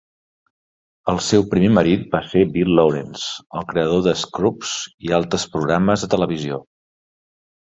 El seu primer marit va ser Bill Lawrence, el creador de 'Scrubs' i altres programes de televisió.